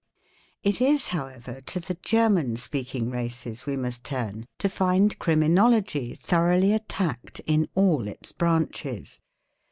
_ It is, however, to the German speaking races we must turn to find | Criminology thoroughly attacked in all its branches.